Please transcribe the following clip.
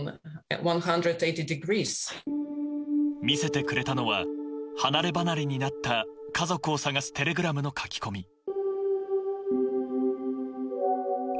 見せてくれたのは離れ離れになった家族を捜すテレグラムの書き込み。